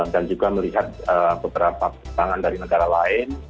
dan juga melihat beberapa pertanyaan dari negara lain